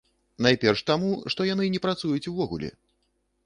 Найперш таму, што яны не працуюць ўвогуле.